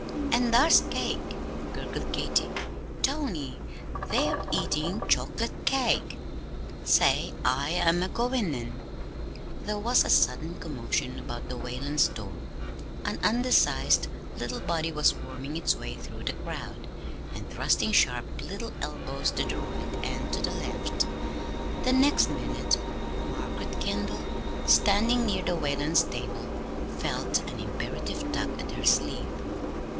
"An' thar's cake," gurgled Katy. "Tony, they're eatin' choc'late cake. Say, I am a goin' in!" There was a sudden commotion about the Whalens' door. An undersized little body was worming its way through the crowd, and thrusting sharp little elbows to the right and to the left. The next minute, Margaret Kendall, standing near the Whalens' table, felt an imperative tug at her sleeve.